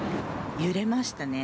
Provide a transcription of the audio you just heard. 揺れましたね。